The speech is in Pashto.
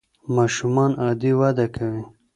ماشومان عادي وده کوي.